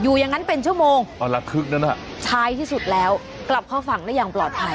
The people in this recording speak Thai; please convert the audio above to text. อยู่อย่างนั้นเป็นเจ้าโมงใช้ที่สุดแล้วกลับเข้าฝังได้อย่างปลอดภัยอ๋อ